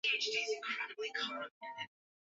Alifunga soko la Watumwa lililokuwapo Mkunazini